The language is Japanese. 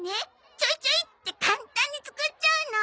ちょいちょいって簡単に作っちゃうの。